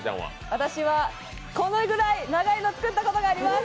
私は、このぐらい長いのを作ったことがあります！